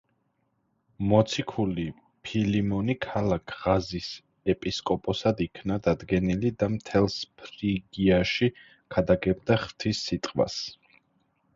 მოციქული ფილიმონი ქალაქ ღაზის ეპისკოპოსად იქნა დადგენილი და მთელს ფრიგიაში ქადაგებდა ღვთის სიტყვას.